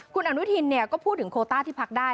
คุณอนุทินก็พูดถึงโคต้าที่พักได้